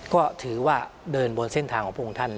ก็ถือว่าเดินบนเส้นทางของพระองค์ท่าน